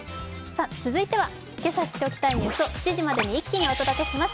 続いてはけさ知っておきたいニュースを７時までに一気にお届けします。